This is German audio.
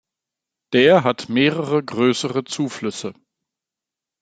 Der hat mehrere größere Zuflüsse.